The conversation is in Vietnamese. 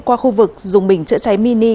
qua khu vực dùng bình chữa cháy mini